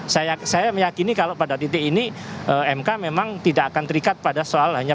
saya meyakini kalau pada titik ini mk memang tidak akan terikat pada soal hanya